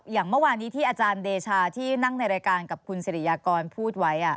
อย่างเมื่อวานี้ที่อาจารย์เดชาที่นั่งในรายการกับคุณสิริยากรพูดไว้